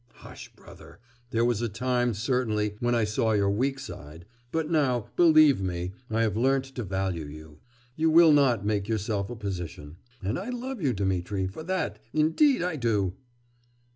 'Hush, brother; there was a time, certainly, when I saw your weak side; but now, believe me, I have learnt to value you. You will not make yourself a position. And I love you, Dmitri, for that, indeed I do!